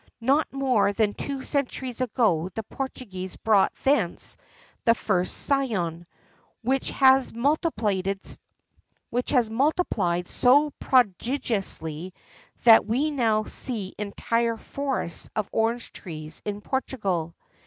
Not more than two centuries ago the Portuguese brought thence the first scion, which has multiplied so prodigiously that we now see entire forests of orange trees in Portugal.